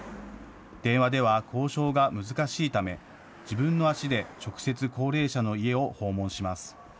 電話では交渉が難しいため自分の足で直接、高齢者の家を訪問します。